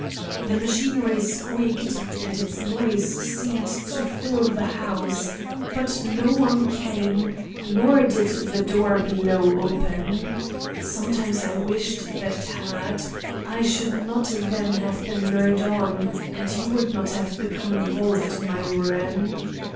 The machinery squeaked, and its noise seemed to fill the house, but no one came nor did the door below open. Sometimes I have wished that it had. I should not then have been lured on and you would not have become involved in my ruin.